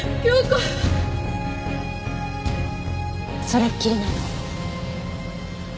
それっきりなの。